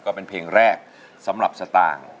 ก็เป็นเพลงแรกสำหรับสตางค์